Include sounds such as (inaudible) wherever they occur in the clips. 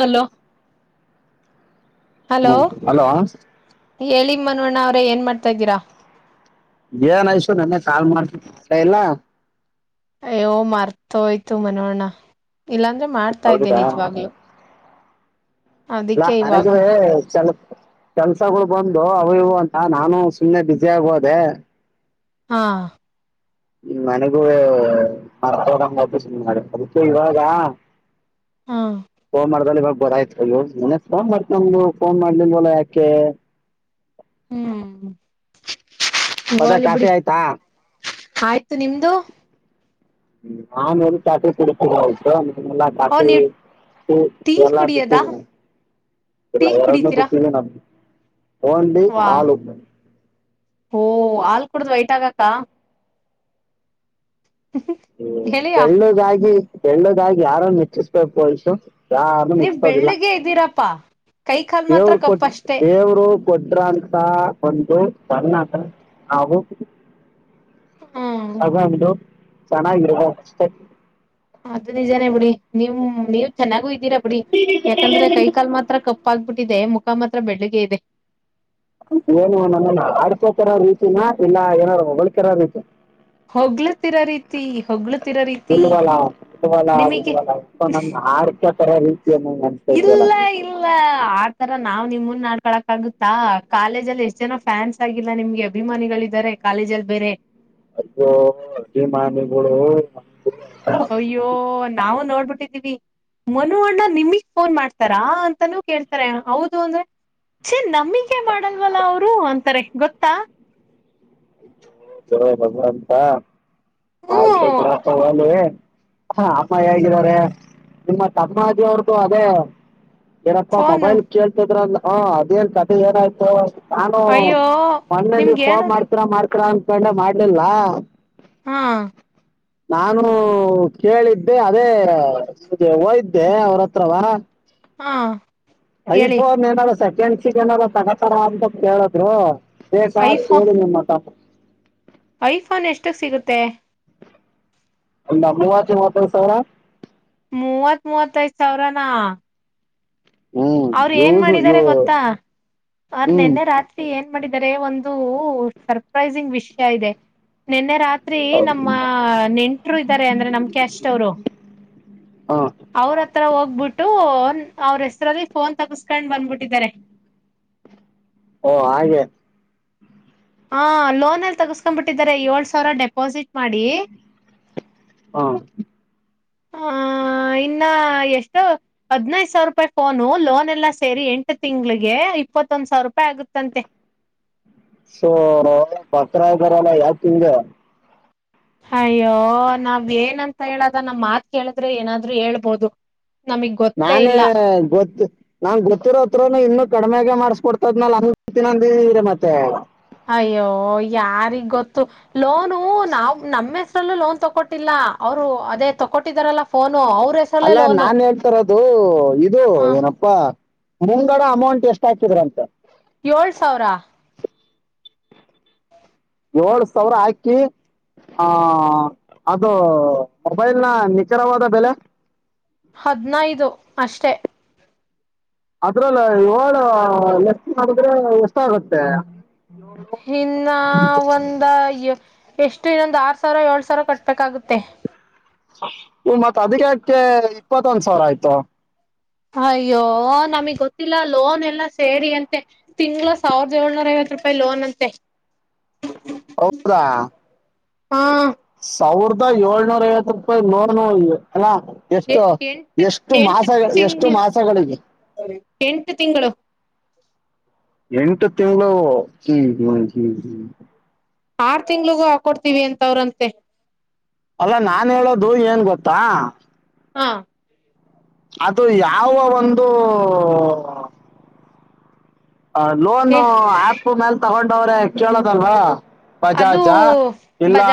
Hello ಹ್ಮ hello ಮನವಣ್ಣ ಅವ್ರೇ ಏನ್ ಮಾಡ್ತಾ ಇದ್ದೀರಾ. ಏನ್ ಐಶು ನನ್ನ ಕಾಲ್ ಮಾಡ್ತ ಇಲ್ಲ. ಯೋ ಮರ್ತೋಯ್ತು ಮನೋಣ್ಣ. ಇಲ್ಲಾಂದ್ರೆ ಮಾಡ್ತಾ ಇದ್ದೆ ನಿಜವಾಗ್ಲು ನಾ ಅದಕ್ಕೆ ಅರದುವ ಇವಾಗ ಚಲ ಕೆಲ್ಸಗಳು ಬಂದು ಅವು ಇವು ಅಂತ ನಾನು ಸುಮ್ನೆ ಬ್ಯುಸಿ ಆಗೋದೆ. ಹಾ. ಈ ನನಗೂವೆ ಮರತಡಂಬತ ಸಿನ ಮಾಡ ಅದಕ್ಕೆ ಇವಾಗಾ ಹಾ ಹ ಮರ್ದ ಭ ಬರ ಆಯ್ತ ಅಯ ಮ ಫೋನ್ ಮಾಡ್ತ ನಮ್ದು ಫೋನ್ ಮಾಡ್ಲಿಲ್ಲವಲ ಯಾಕೆ ಹ್ಮ್. ಮತ್ತೆ ಹೋಲಿ ಕಾಫಿ ಬಿಡಿ ಆಯ್ತಾ ಆಯ್ತು ನಿಮ್ದು ಹ್ಮ ನಾನುರು ಚಾಟಿ ಕುಡತ ಆಯ ಓ ನೀವ್ ಟೀ ಕುಡಿಯದಾ ಟೀ ಕುಡಿತೀರಾ (unintelligible) ಹಂಡಿ ವಾ ಆಲುಮ್ಮ ಓ ಹಾಲ್ ಕುಡ್ದ್ ವೈಟ್ ಆಗಕ್ಕ ಹ್ಮ್ ಗೆಳೆಯ ಕೆಳ್ಳದಾಗಿ ಕೆಳ್ಳದ ಹಾಗಿ ಯಾರು ಮೆಚ್ಚಿಸ್ಬೇಕುಯಸು ನೀವ್ ಬೆಳ್ಳಗ್ಗೆ ಇದ್ದೀರಪ್ಪಾ ಕೈ ಕಾಲ್ ಮಾತ್ರ ಕಪ್ಪಷ್ಟೆ ಪಟ್ರಾಂತ ಒ ಬನಾ ಹ ಹ್ಮ್ ಹಾಗು ಚೆನ್ನಾಗಿರದ ಅದು ನಿಜನೇ ಬಿಡಿ ನೀವು್ ನೀವ್ ಚೆನ್ನಾಗೂ ಇದ್ದೀರಾ ಬಿಡಿ ಯಾಕಂದ್ರೆ ಕೈಕಾಲ್ ಮಾತ್ರ ಕಪ್ಪ ಆಗ್ಬಿಟ್ಟು ಇದೆ ಮುಖಾಮತ್ರ ಬೆಳ್ಳಗೆ ಇದೆ ಏನು ನ ಆಡ್ಕೋತರೋ ರೀತಿನ ಇಲ್ಲ ಏನಾರ ಹೊಳ್ಕರ ರೀತಿ ಹೊಗ್ಲತಿರೋ ರೀತಿ ಹೊಗ್ಲತಿರೋ ರೀತಿ ಇಲ್ವಲ್ಲ ಇಲ್ವಲ್ಲ ನಿಮಗೆ ಸ ಇಲ್ಲ ಇಲ್ಲ ಆ ಆ ತರ ನಾವ್ ನಿಮ್ನ್ ನಡ್ಕೊಳಕ್ ಆಗುತ್ತಾ ಕಾಲೇಜ ಅಲ್ಲಿ ಎಷ್ಟ್ ಜನ ಫ್ಯಾನ್ಸ್ ಆಗಿಲ್ಲ ನಿಮ್ಗೆ ಅಭಿಮಾನಿಗಳಾರೆ ಕಾಲೇಜ ಅಲ್ಲಿ ಬೇರೆ ಅ ಅ ಮಾಿಗಳು ಅಯ್ಯೋ ನಾವು ನೋಡ್ಬಿಟ್ಟಿ ಮನ ಅಣ್ಣ ನಿಮಗ್ ಫೋನ್ ಮಾಡ್ತಾರಾ ಅಂತಾನೂ ಕೇಳ್ತಾರೆ ಹೌದು ಅಂದ್ರೆ ಅ ನಂಬಿಕೆ ಮಾಡಲ್ವಲ್ಲ ಅವರು ಅಂತಾರೆ ಗೊತ್ತಾ ಚಲ ಬಂತಾ ಹ ಹ್ಮ್ ಬರ ಸವಾಲ ಹ ಅಮ್ಮ ಹೇಗಿದ್ದಾರೆ ನಿಮ್ಮ ತಮ್ಮಾಜಿ ಅವ್ರ್ದು ಅದೇ ಏನಪ್ಪಾ ಫೋನು ಮೊಬೈಲ್ ಕೇಳ್ತದ್ರಲ್ಲ ಹಾ ಅದೇನ್ ಕತೆ ಏನಾಯ್ತು ನಾನು ಅಯ್ಯೋ ಒಂದಲ್ಲಿ ನಿಮ್ಗೆ ಫೋನ್ ಹೇಳ ಮಾಡ್ತೀರ ಮಾಡ್ ಕ್ರಾಂತಿ ೊಂಡ ಮಾಡ್ಲಲ್ವಾ ಹಾ ನಾನು ಕೇಳಿದ್ದೆ ಅದೇ ಹಯ್ದೆ ಅವ್ರತ್ರವಾ ಹಾ ಯಫ ಹೇಳಿ ನೇನ ಸಾ ಕೆಣಸಿ ಜನ ಸಕತರ ಅಂತ ಕೇಳಿದ್ರು ಹೇ ಸಾ ಕೋ ಐಫೋನ್ ಮ ಮಾತಾ ಐಫೋನ್ ಎಷ್ಟಕ್ ಸಿಗುತ್ತೆ ಇಲ್ಲ ಮೂವತ್ತು ಮೂವತ್ತು ಸಾವಿರ ಮೂವತ್ ಮೂವತ್ತೈದ್ ಸಾವಿರಾನ ಹ್ಮ್ ಅವರು ಏನ್ ಯೂಸ್ ಯೂ ಮಾಡಿದಿದ್ದಾರೆ ಗೊತ್ತಾ ಅವ್ರ ಹ್ಮ್ ನಿೆನ್ನೆ ರಾತ್ರಿ ಏನ್ ಮಾಡಿದರೆ ಒಂದು ಸರ್ಪ್ರೈಸಿಂಗ್ ವಿಷಯ ಇದೆ ನಿನ್ನೆ ರಾತ್ರಿ ತ್ರಿ ನಮ್ಮ ನೆಂಟರು ಇದ್ದಾರೆ ಅಂದ್ರೆ ನಮ್ಕ ಕ್ಯಾಸ್ಟ್ ಅವರು ಹಾ ಅವ್ರತ್ರ ಹೋಗ್ಬಿಟ್ಟು ಅವರ ಹೆಸರಲ್ಲಿ ಫೋನ್ ತಗಸ್ಕೊಂಡ್ ಬಂದ್ಬಿಟ್ಟಿದ್ದಾರೆ ಓ ಹಾಗೆ ಹಾ ಲೋನ್ಲ್ಲಿ ತಗಸ್ಕೊಂಡ್ಬಿಟ್ಟಿದ್ದಾರೆ ಏಳ್ ಸಾವಿರ ಡೆಪಾಸಿಟ್ ಮಾಡಿ ಹಾ ಆ ಇನ್ನ ಎಷ್ಟೋ ಹದ್ನೈದು ಸಾವಿರ ರೂಪಾಯಿ ಫೋನು ಲೋನ್ ಎಲ್ಲಾ ಸೇರಿ ಎಂಟು ತಿಂಗ್ಳಿಗೆ ಇಪ್ಪತ್ತೊಂದ್ ಸಾವಿರ ರೂಪಾಯಿ ಆಗುತ್ತಂತೆ ಸೊ ನ ಬಕ್ರ ಬರಲ್ಲ ಯಾವ ತಿಂಗಗೆ ಅಯ್ಯೋ ನಾವ್ ಏನಂತ ಹೇಳದ ನಮ್ಮ್ ಮಾತ್ ಕೇಳಿದ್ರೆ ಏನಾದ್ರು ಹೇಳ್ಬೋದು ನಮಗ್ ಗೊತ್ತೇ ನಾನೇ ಇಲ್ಲ ಗೊತ್ತು ನಾ್ ಗೊತ್ತಿರೋ ಹತ್ರನು ಇನ್ನು ಕಡಿಮೆಾಗೆ ಮಾಡ್ಸ್ಕ ಕೊಡ್ತದ್ನಿನ ಮತ್ತೆ ತ ಲೋನು ನಾವವು ನಮ್ಮೆ ಲೋನ್ ತೊಗೊಟ್ಟಿಲ್ಲ ಅವ್ರು ಅದೇ ತಗೊಟ್ಟಿದಾರಲ್ಲ ಫೋನ್ ಅಲ್ಲಾ ನಾನ್ ಹೇಳ್ತಾರದು ಇದು ಹ ಏನಪ್ಪಾ ಮುಂಗಡ ಅಮೌಂಟ್ ಎಷ್ಟ ಹಾತಿದ್ರಂತ ಏಳ್ ಸಾವಿರ ಏಳ್ ಸಾವಿರ ಹಾಕಿ ಆಹ ಅದು ಮೊಬೈಲ್ ನ ನಿಖರವಾದ ಬೆಲೆ ಹದ್ನೈದು ಅಷ್ಟೆ ಅದ್ರಲ್ಲ ಇವಳ ಎಷ್ಟ ಮಾಡಿದ್ರೆ ಎಷ್ಟ ಆಗುತ್ತೆ ಹನ್ನ ಒಂದಾಯ ಎಷ್ಟು ಇನ್ನೊಂದು ಆರ್ ಸಾವಿರ ಏಳ್ ಸಾವಿರ ಕಟ್ಬೇಕಾಗುತ್ತೆ ಹ ಮತ್ ಅದಕ್ಕೆಕ್ಕೆ ಇಪ್ಪತ್ತೊಂದ್ ಸಾವಿರ ಆಯ್ತು ಅಯ್ಯೋ ನಮಗ್ ಗೊತ್ತಿಲ್ಲ ಲೋನ್ ಎಲ್ಲ ಸೇರಿ ಅಂತೆ ತಿಂಗಳ ಸಾವಿರದ ಏಳ್ನೂರ ಐವತ್ತು ರೂಪಾಯಿ ಲೋನ್ ಅಂತೆ ಹೌದಾ ಹಾ ಸಾವಿರದ ಏಳ್ನೂರ ಐವತ್ತು ರಪಾಯಿ ನೋನು ಅಲ್ಲ ಎ ಎಷ್ಟು ಎಂಟು ಎಷ್ಟು ಎಂಟು ಮಾಸಗಳ ಎಷ್ಟು ತಿಂಗ್ಳ ಮಾಸಗಳಿಗೆ ಎಂಟು ತಿಂಗಳು ಎಂಟು ತಿಂ ಹ ಹ್ಮ ಆರ್ ತಿಂಗ್ಳಗೂ ಹಾಕೊಡ್ತಿವಿ ಅಂತ ಅವ್ರಂತೆ ಅಲ್ಲ ನಾನ್ ಹೇಳೋದು ಏನ್ ಗೊತ್ತಾ ಹಾ ಅದು ಯಾವ ಒಂದು ಲೋನ್ ಆಪ್ ಮೇಲ್ ತಗೊಂಡ ವ್ರೆ ಕೇಳೋದಲ್ವಾ ಅದು ಪಜಾಜ ಎಲ್ಲಾ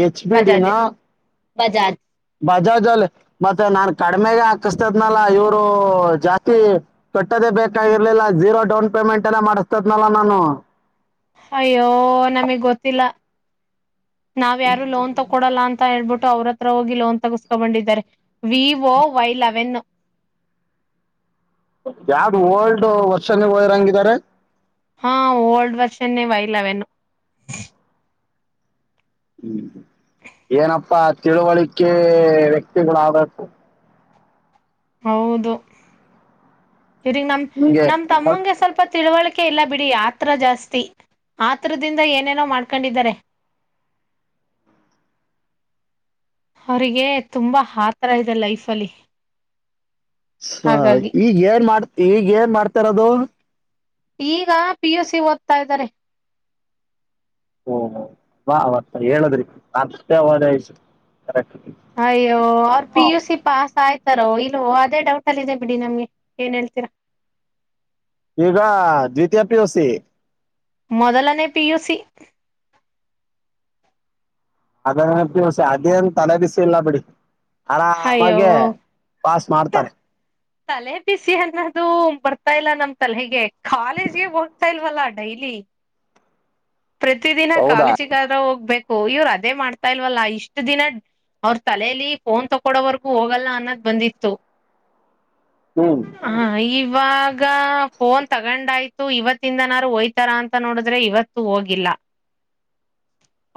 ಹೆಚ್ ಬಿ ಡಿನ ಬಜಾಜಾಜ್ ಬಜಾಜ್ ಅಲ್ಲಿ ಮತ್ತೆ ನಾನ್ ಕಡಿಮೆಗೆ ಹಾಕಿಸತೇದನಲ್ಲ ಇವರು ಜಾಸ್ತಿ ಕಟ್ಟದೇ ಬೇಕಾಗಿರ್ಲಿಲ್ಲ ಜೀರೋ ಡೌನ್ ಪೇಮೆಂಟ್ ಎಲ್ಲ ಮಾಡಿಸ್ತೇದನಲ್ಲ ನಾನು ಅಯ್ಯೋ ನಮಗ್ ಗೊತ್ತಿಲ್ಲ ನಾವ್ ಯಾರು ಲೋನ್ ತೊೋಲ್ಲ ಅಂತ ಹೇಳ್ಬಿಟ್ಟು ಅವ್ರ ಹತ್ರ ಹೋಗಿ ಲ್ಲೋನ್ ತಗುಸ್ಕೊ ಬೊಂಡಿದ್ದಾರೆ ವಿ ಒ ವೈಲೆವೆನ್ ಯಾವ್ದ ಓಲ್ಡ್ ವರ್ಷನೇ ಒಯಿರ ಹಂಗಿದಿದ್ದಾರೆ ಹಾ ಓಲ್ಡ್ ವಷ ನೀ ವೈಲ್ಲವೆನು ಹ್ಮ್ ಏನಪ್ಪಾ ತಿಳುವಳಿಕೆ ವ್ಯಕ್ತಿಗುಲಾಗ್ಬೇಕು ಹೌದು ಇಗ್ ನಮ್ ಹಿಂಗೆ ನಮ್ ತಮ್ಮಂಗೆ ಸ್ವಲ್ಪ ತಿಳುವಳಿಕೆ ಇಲ್ಲ ಬಿಡಿ ಆತ್ರ ಜಾಸ್ತಿ ಆತ್ರದಿಂದ ಏನೇನೋ ಮಾಡ್ಕೊಂಡಿದ್ದಾರೆ ಅವರಿಗೆ ತುಂಬಾ ಆಥರ ಇದೆ ಲೈಫ್ ಅಲ್ಲಿ ಸೊ ಹಾಗಾಗಿ ಈಗ ಏನ್ ಮಾಡ್ತ ಈಗ ಏನ್ ಮಾಡ್ತಾರದು ಈಗ ಪಿ ಯುಸಿ ಓದ್ತಾ ಇದ್ದಾರೆ ಓ ಬಾ ವತ ಹೇಳದ್ರಿ ಅಷ್ಟೇ ಅವದಯತು ಅಯ್ಯೋ ಅವ್ರ ಪಿ ಯು ಸಿ ಪಾಸ್ ಆಯ್ತಾರೋ ಇ ಅದೇ ಡೌಟ್ ಅಲ್ಲಿ ಇದೆ ಬಿಡಿ ನಮ್ಗೆ ಏನ್ ಹೇಳ್ತೀರಾ ಈಗ ದ್ವಿತೀಯ ಪಿ ಯು ಸಿ ಮೊದಲನೇ ಪಿ ಯು ಸಿ ಅದ ಅದೇನ್ ತಲೆಬಸಿ ಎಲ್ಲ ಬಿಡಿ ಅಯ್ಯೋ ಆರಾಮಾಗೆ ಪಾಸ್ ಮಾಡ್ತಾರೆ ತಲೆ ಬಿಸಿ ಅನ್ನೋದು ಬರ್ತಾ ಇಲ್ಲ ನಮ್ಗ್ ತಲೆಗೆ ಕಾಲೇಜ್ ಗೆ ಹೋಗ್ತಿಲ್ವಲ್ಲ ಡೈಲಿ ಪ್ರತಿ ದಿನ ಹೌದಾ ಕಾಲೇಜಿಗಾರ ಹೋಗ್ಬೇಕು ಓ ಇವ್ರ್ ಅದೇ ಮಾಡ್ತಾ ಇಲ್ವಲ್ಲ ಇಷ್ಟ್ ದಿನ ಅವ್ರ ತಲಲಿ ಫೋನ್ ತಕೊಡೋವರ್ಗೂ ಹೋಗಲ್ಲ ಅನ್ನೋದ್ ಬಂದಿತ್ತು ಹ್ಮ್ ಹಾ ಈ ಇವಾಗ ಫೋನ್ ತಗೊಂಡಾಯ್ತು ಇವತ್ತಿಂದನಾರು ಹೋಯ್ತಾರಾ ಅಂತ ನೋಡಿದ್ರೆ ಇವತ್ತು ಹೋಗಿಲ್ಲ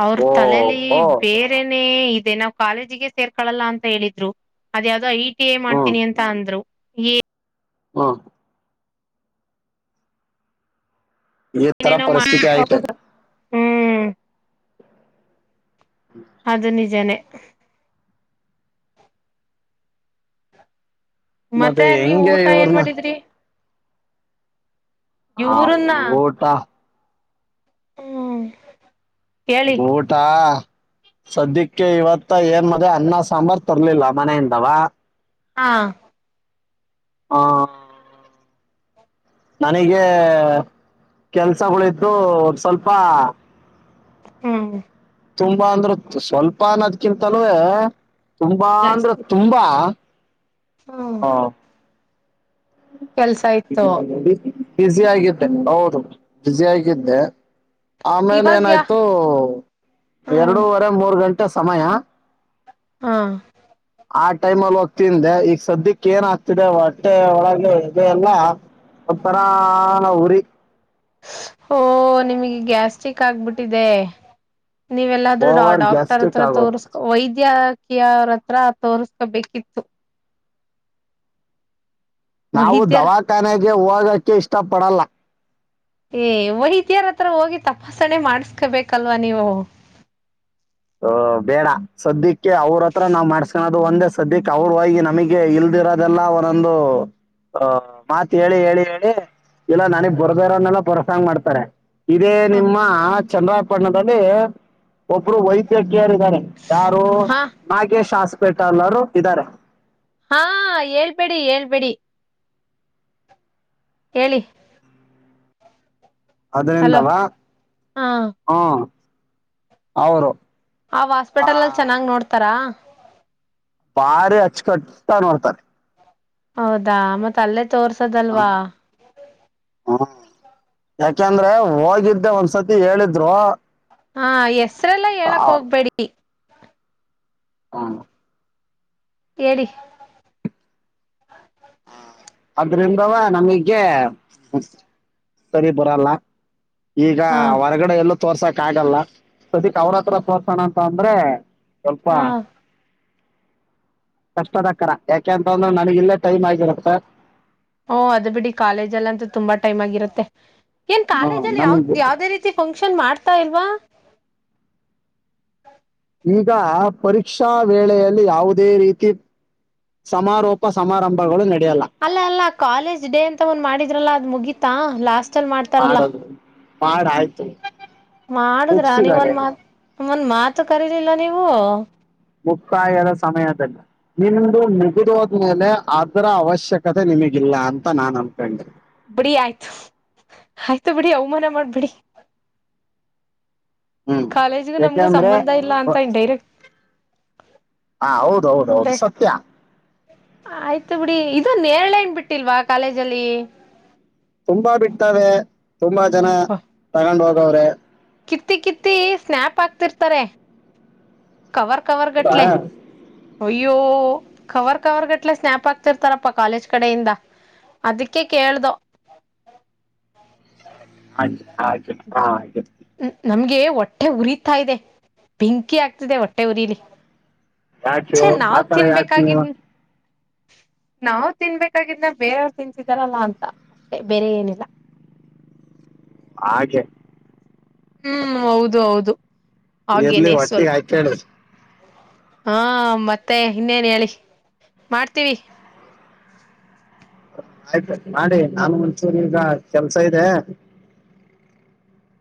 ಅವ್ರ ಓ ತಲಲಿ ಓ ಬೇರೆನೆೇ ದೆ ನಾವು ಕಾಲೇಜಿಗೆ ಸೇರ್ಕೊಳ್ಳಲ್ಲ ಅಂತ ಹೇಳಿದ್ರು ಅದ ಯಾವವುದೋ ಐ ಏನ್ ಹ್ಮ್ ಮಾಡ್ತೀನಿ ಅಂತ ಅಂದ್ರು ಎ ಹ್ಮ್ ಈ ತರ ಏನೇನೋ ಮಾಡ ಪರಿಸ್ಥಿತಿ ಐತೆ ಹ್ಮ್ ಅದು ನಿಜಾನೇ (inaudible) ಮತ್ತೆ ನೀವ್ ಹೆಂಗೆ ಊಟ ಏನ್ ಇವ್ರನ್ನ ಮಾಡಿದ್ರಿ ಹಾ ಇವ್ರನ್ನ ಓಟಾ ಹ್ಮ್ ಹೇಳಿ ಊಟ ಸದ್ಯಕ್ಕೆ ಇವತ್ತ ಏನ್ ಮದೆ ಅನ್ನ ಸಾಂಬಾರ್ ತರ್ಲಿಲ್ಲ ಮನೆಯಿಂದವಾ ಹಾ ಹಾ ನನಗೆ ಕೆಲ್ಸಗಳಿದ್ದು ಸ್ವಲ್ಪ ಹ್ಮ ತುಂಬಾ ಅಂದ್ರೆ ಸ್ವಲ್ಪ ಅನ್ನದ್ಕಿಂತಲ್ವೇ ತುಂಬಾ ಅಂದ್ರೆ ಜಾಸ್ತಿ ತುಂಬಾ ಹ್ಮ್ ಹಾ ಕೆಲ್ಸ ಇತೋ ಬಿಜಿ ಆಗಿದ್ದೆ ಹೌದು ಬಿಜಿ ಆಗಿದ್ದೆ ಆಮೇಲೆ ಇವಾಗ್ಯಾ ಏನಾಯ್ತು ಹ್ಮ್ ಎರಡೂವರೆ ಮೂರ್ ಗಂಟೆ ಕೊಟ್ಟ ಸಮಯ ಹಾ ಆ ಟೈಮ್ ಅಲ್ಲಿ ಹೋಗ್ತಿಂದೆ ಈಗ ಸದ್ಯಕ್ಕೆ ಏನ್ ಆಗ್ತಿದೆ ಹೊಟ್ಟೆ ಒಗ ಇ ಎಲ್ಲಾ ಒಪರಾನ ಉರಿ ಓ ನಿಮಗೆ ಗ್ಯಾಸ್ಟ್ರಿಕ್ ಆಗ್ಬಿಟ್ಟಿದೆ ನೀವೆಲ್ಲಾದ್ರೂಡ ಓವರ್ ಡಾಕ್ಟರ್ ಗ್ಯಾಸ್ಟ್ರಿಕ್ ಹತ್ರ ಆಗೋದು ತೋರ್ಸ್ಕೊ ವೈದ್ಯ ಕ್ಕಿ ಅವ್ರತ್ರ ತೋಸ್ಕೋಬೇಕಿತ್ತು ನಾವು ದವಾಖಾನೆಗೆ ಹೋಗಕ್ಕೆ ಇಷ್ಟ ಪಡಲ್ಲ ಏ ವೈದರ ಹತ್ರ ಹೋಗಿ ತಪಾಸಣೆ ಮಾಡಸ್ಕೊಬೇಕಲ್ವಾ ನೀವು ಅ ಬೇಡ ಸದ್ಯಕ್ಕೆ ಅವ್ರತ್ರ ನಾವ್ ಮಾಡ್ಸ್ಕನೋದು ಒಂದೇ ಸದ್ಯಕ್ಕೆ ಅವ್ರ ಹೋಗಿ ನಮಗೆ ಇಲ್ದಿರೋದೆಲ್ಲ ಒಂದೊಂದು ಅಹ ಮಾತ್ ಹೇಳಿ ಹೇಳಿ ಹೇಳಿ ಇಲ್ಲ ನನಗ್ ಬರ್ದರೋನ್ನೆಲ್ಲ ಬರಸಂಗ ಮಾಡ್ತಾರೆ ಇದೇ ನಿಮ್ಮ ಆ ಚಂದ್ರಪಟ್ಟಣದಲ್ಲಿ ಒಬ್ರು ಕೇಳರಿದ್ದಾರೆ ಯಾರು ಹಾ ನಾಗೇಶ್ ಶಾಸಕ ಪೇಟಲ್ಲರು ಇದ್ದಾರೆ ಹಾ ಹೇಳ್ಬೇಡಿ ಹೇಳ್ಬೇಡಿ ಹೇಳಿ ಹಲೋ ಅದರಿಂದವಾ ಹ ಹಾ ಹೌರು ಅವ ಹಾಸ್ಪಿಟಲ್ಲ್ಲಿ ಚೆನ್ನಾಗ್ ನೋಡ್ತಾರಾ ಭಾರಿ ಅಚ್ಚಕಟ್ಟ ನೋಡ್ತಾರೆ ಹೌದಾ ಮತ್ತ ಅಲ್ಲೆ ತೋರ್ಸದಲ್ವಾ ಹ್ಮ್ ಯಾಕಂದ್ರೆ ಹೋಗಿದ್ದೆ ಒಂದ್ಸತಿ ಹೇಳಿದ್ರು ಹಾ ಹೆಸ್ರಲ್ಲ ಹೇಳಕ್ ಆ, ಹೋಗ್ಬೇಡಿ ಹಾ ಹೇಳಿ ಅದ್ರಿಂದವ ನಮಗೆ ಸರಿ ಬರಲ್ಲ ಈಗ ಹಾ ಹೊರಗಡೆ ಎಲ್ಲ ತೋರ್ಸಾಕ್ ಆಗಲ್ಲ ಪ್ರತಿಕ್ ಅವ್ರತ್ರ ಸೋತ್ಸೋಣ ಅಂತ ಅಂದ್ರೆ ಸ್ವಲ್ಪ ಹಾ ಕಷ್ಟದಕ್ಕರ ಯಾಕೆಂತಂದ್ರೆ ನನಗ ಇಲ್ಲೇ ಟೈಮ್ ಆಗಿರತ್ತ ಓ ಅದು ಬಿಡಿ ಕಾಲೇಜಲ್ಲ ಅಂತ ತುಂಬಾ ಟೈಮ್ ಆಗಿರುತ್ತೆ ಏನ್ ಹ ಕಾಲೇಜಲ್ಲಿ ಯಾವ್ದ್ ನಮಗ್ ಯಾವ್ದೇ ರೀತಿ ಫಂಕ್ಷನ್ ಮಾಡ್ತಾ ಇಲ್ವಾ ಈಗ ಪರೀಕ್ಷಾ ವೇಳೆಯಲ್ಲಿ ಯಾವುದೇ ರೀತಿ ಸಮಾರೋಪ ಸಮಾರಂಭಗಳು ನಡೆ ಅಲ್ಲ ಅಲ್ಲ ಕಾಲೇಜ್ ಡೇ ಅಂತ ಒಂದ್ ಮಾಡಿದ್ರಲ್ಲ ಅದ್ ಮುಗಿ ತಾ ಲಾಸ್ ಮಾಡ್ತಾರಲ್ಲ ಮಾಡೋದು ಮಾಡ ಆಯ್ತು ಮಾಡುದ್ರ ಮುಗಿಸಿದ್ದಾರೆ ನೀವೊಂದ್ ಮಾತ್ ಒಂದ್ ಮಾತು ಕರಿ ಲ್ಲ ನೀವು ಮುಕ್ತಾಯದ ಸಮಯದಲ್ಲಿ ನಿಮ್ದ ಮುಗಿದುವದ್ಮೇಲೆ ಅದರ ಅವಶ್ಯಕತೆ ನಿಮಗಿಲ್ಲ ಅಂತ ನಾನ ಅನ್ಕೊಂಡೆನಿ ಬಿಡಿ ಆಯ್ತು ಆಯ್ತು ಬಿಡಿ ಅವಮಾನ ಮಾಡ್ಬಿಡಿ ಹ್ಮ್ ಕಾಲೇಜ್ಗೂ ನಮ್ಗೂ ಏಕೆಂದ್ರೆ ಸಂಬಂಧ ಇಲ್ಲ ಹ ಅಂತ ಡೈರೆಕ್ಟ್ ಹೌದ ಹೌದ ಹೌದು ದೆ ಸತ್ಯ ಆಯ್ತು ಬಿಡಿ ಇದು ನೇರಳ ಹಣ್ಣ ಬಿಟ್ಟಿಲ್ವಾ ಕಾಲೇಜಲ್ಲಿ ತುಂಬಾ ಬಿಡ್ತಾರೆ ತುಂಬಾ ಜನ ತಗೊಂಡ ಹೋಗ ರ ಕಿತ್ತಿ ಕಿತ್ತಿ ಸ್ನ್ಯಾಪ್ ಆಕ್ತಿರ್ತಾರೆ ಕವರ್ ಕವರ ಹೌದಾ ಗಟ್ಲೆ ಅಯ್ಯೋ ಕವರ್ ಕವರ್ಗಟ್ಲೆ ಸ್ನಾಪ್ ಆಗ್ತಿರ್ತಾರಪ್ಪಾ ಕಾಲೇಜ್ ಕಡೆಯಿಂದ ಅದಕ್ಕೆ ಕೇಳ್ದ ಆಯ್ ಹ ಆಯ್ು (inaudible) ನಮ್ಗೆ ಹೊಟ್ಟೆ ಉರಿತಾ ಇದೆ ಬೆಂಕಿ ಆಗ್ತಿದೆ ಹೊಟ್ಟೆ ಉರಿಲಿ ಯಾಚೋ ಛೆ ನಾವ್ ಆತರ ಯ (inaudible) ತಿನ್ಬೇಕಾಗಿದ್ ನಾವ್ ತಿನ್ಬೇಕಾಗಿದ್ನ ಬೇರವ್ರು ತಿನ್ಸಿದಾರಲ್ಲ ಅಂತ ಅಷ್ಟೆ ಬೇರೆ ಏನಿಲ್ಲ ಹಾಗೆ ಹ್ಮ್ ಹೌದು ಹೌದು ಎರ್ಲಿ ಹಾಗೇನೆ ಒಟ್ಟಿಗೆ ಸ್ವಲ್ಪ ಹಾತಿ ಹಾ ಮತ್ತೆ ಇನ್ನೇನ್ ಹೇಳಿ ಮಾಡ್ತೀವಿ ಆಯ್ತು ಮಾಡಿ ನಾನು ಮುಂಚೂರು ಈಗ ಕೆಲ್ಸ ಇದೆ